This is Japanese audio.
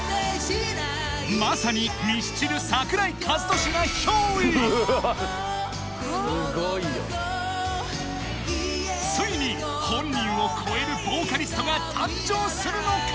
まさにミスチル・桜井和寿が憑依ついに本人を超えるボーカリストが誕生するのか？